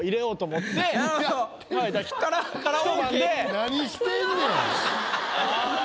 何してんねん！